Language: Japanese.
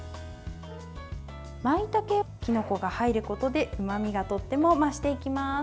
まいたけ、きのこが入ることでうまみがとっても増していきます。